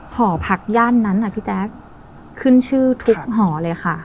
หอพักย่านนั้นพี่แจ๊คขึ้นชื่อทุกหอเลยค่ะ